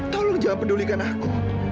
tolong jangan pedulikan aku